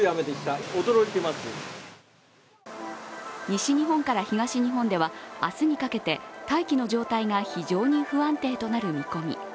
西日本から東日本では、明日にかけて大気の状態が非常に不安定となる見込み。